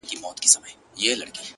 • وايی چي نه کار په هغه څه کار -